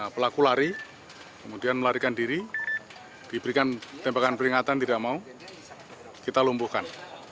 pelaku lari kemudian melarikan diri diberikan tembakan peringatan tidak mau kita lumpuhkan